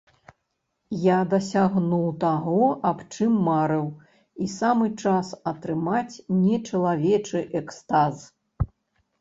Я дасягнуў таго аб чым марыў і самы час атрымаць нечалавечы экстаз.